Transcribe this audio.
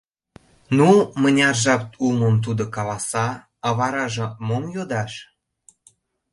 Ну, мыняр жап улмым тудо каласа, а вараже мом йодаш?